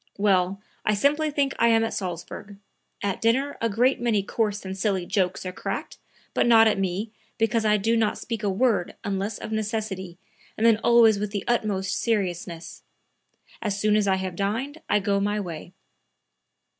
Well, I simply think I am at Salzburg. At dinner a great many coarse and silly jokes are cracked, but not at me, because I do not speak a word unless of necessity and then always with the utmost seriousness. As soon as I have dined I go my way."